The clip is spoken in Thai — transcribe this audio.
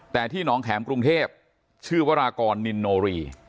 แต่ที่หนองแข็มกรุงเทพชื่อวรากรนินโนรี